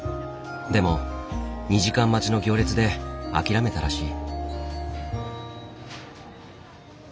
でも２時間待ちの行列で諦めたらしい。